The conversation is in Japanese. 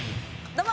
どうも！